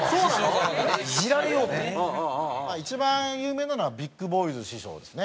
一番有名なのはビックボーイズ師匠ですね。